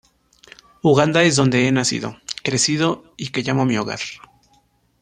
Uganda es donde he nacido, crecido y que llamo mi hogar.